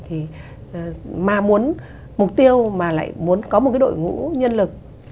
thì mà muốn mục tiêu mà lại muốn có một cái đội ngũ nhân lực